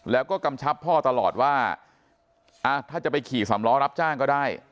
แล้วก็กำชับพ่อตลอดว่าถ้าจะไปขี่สำล้อรับจ้างก็ได้